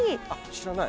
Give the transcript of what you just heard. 知らない？